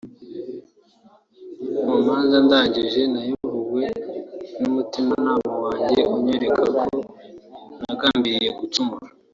mu manza ndangije nayobowe n’umutimanama wanjye unyereka ko ntagambiriye gucumura